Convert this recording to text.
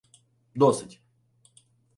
— Досить.